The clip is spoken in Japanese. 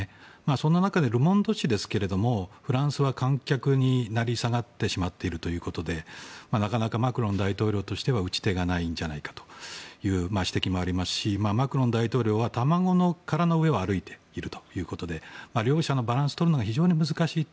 その中でル・モンド紙ですがフランスは観客に成り下がってしまっているということでなかなかマクロン大統領としては打ち手がないんじゃないかという指摘もありますしマクロン大統領は卵の殻の上を歩いているということで両者のバランスをとるのが非常に難しいと